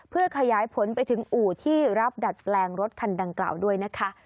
เพื่อขยายผลไปถึงอู่ที่รับดัดแปลงรถคันดังกล่าวด้วยนะคะ